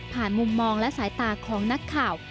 มุมมองและสายตาของนักข่าว